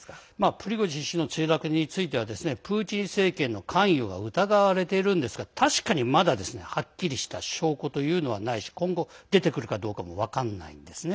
プリゴジン氏の墜落についてはプーチン政権の関与が疑われているんですが確かにまだ、はっきりした証拠というのはないし今後、出てくるかどうかも分からないんですね。